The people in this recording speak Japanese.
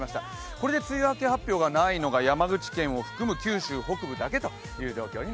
これで梅雨明け発表がないのが山口県を含む九州一部だけですね。